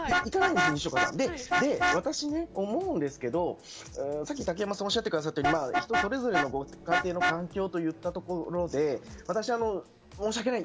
私ね、思うんですけどさっき竹山さんがおっしゃってくれたように人それぞれのご家庭の環境といったところで私、申し訳ない。